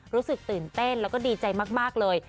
รู้สึกตื่นเต้นแล้วก็ดีใจมากเลย